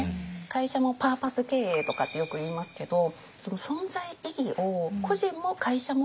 会社もパーパス経営とかってよくいいますけどその存在意義を個人も会社も求めてる。